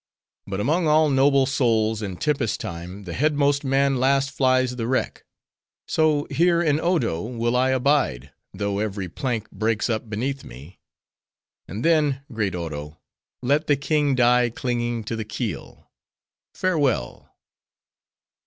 But among all noble souls, in tempest time, the headmost man last flies the wreck. So, here in Odo will I abide, though every plank breaks up beneath me. And then,—great Oro! let the king die clinging to the keel! Farewell!"